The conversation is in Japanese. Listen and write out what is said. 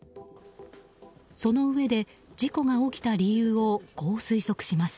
そのうえで事故が起きた理由をこう推測します。